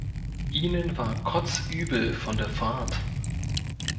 Ihnen war kotzübel von der Fahrt.